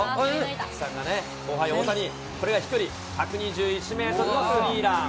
菊池さんがね、後輩大谷、これは飛距離１２１メートルのスリーラン。